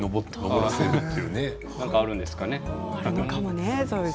何かあるんですかね。